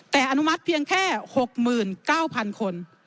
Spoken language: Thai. แต่อนุมัติเพียงแค่๖๙๐๐คน